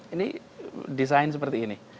ini desain seperti ini